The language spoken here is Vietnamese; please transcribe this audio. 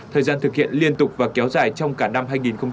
thời gian thực hiện liên tục và kéo dài trong cả năm hai nghìn hai mươi